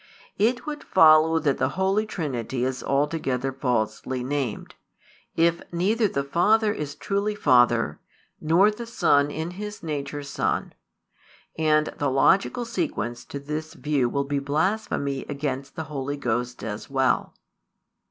It would follow that the Holy Trinity is altogether falsely named, if neither the Father is truly Father, nor the Son in His nature Son. And the logical sequence to this view will be blasphemy against the Holy Ghost as well.